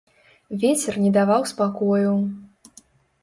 Вецер не даваў спакою.